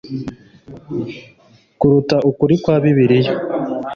kuruta ukuri kwa Bibiliya